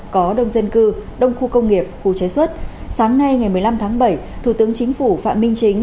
có đông dân cư đông khu công nghiệp khu chế xuất sáng nay ngày một mươi năm tháng bảy thủ tướng chính phủ phạm minh chính